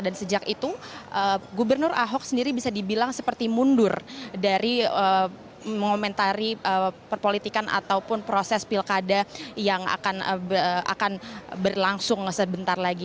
dan sejak itu gubernur ahok sendiri bisa dibilang seperti mundur dari mengomentari perpolitikan ataupun proses pilkada yang akan berlangsung sebentar lagi